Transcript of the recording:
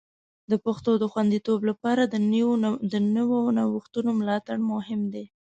د پښتو د خوندیتوب لپاره د نوو نوښتونو ملاتړ مهم دی.